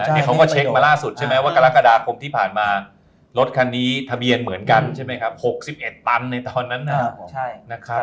เห็นเขาก็เช็กมาร่าสุดใช่ไหมว่ากรกฎากล์ผมที่ผ่านมารถคันนี้ตะเบียนเหมือนกัน๖๑ตันในตอนนั้นนะครับ